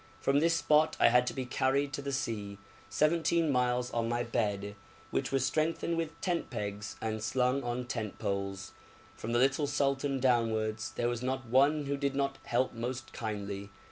From this spot I had to be carried to the sea, seventeen miles, on my bed, which was strengthened with tent pegs and slung on tent poles. From the little sultan downwards there was not one who did not help most kindly.